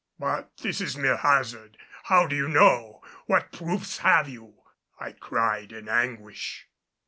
"But this is mere hazard how do you know? What proofs have you?" I cried in anguish.